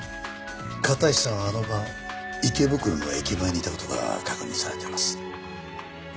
片石さんはあの晩池袋の駅前にいた事が確認されています。